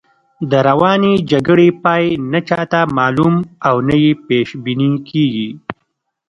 د روانې جګړې پای نه چاته معلوم او نه یې پیش بیني کېږي.